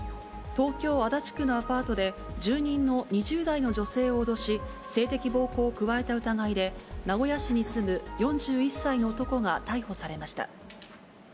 東京・足立区のアパートで、住人の２０代の女性を脅し、性的暴行を加えた疑いで、名古屋市に住む４１歳の男が逮捕されました。